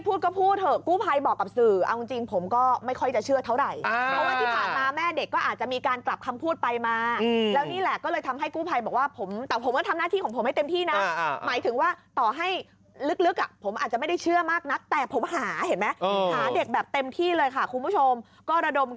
พูดก็พูดเถอะกู้ภัยบอกกับสื่อเอาจริงผมก็ไม่ค่อยจะเชื่อเท่าไหร่เพราะว่าที่ผ่านมาแม่เด็กก็อาจจะมีการกลับคำพูดไปมาแล้วนี่แหละก็เลยทำให้กู้ภัยบอกว่าผมแต่ผมก็ทำหน้าที่ของผมให้เต็มที่นะหมายถึงว่าต่อให้ลึกอ่ะผมอาจจะไม่ได้เชื่อมากนักแต่ผมหาเห็นไหมหาเด็กแบบเต็มที่เลยค่ะคุณผู้ชมก็ระดม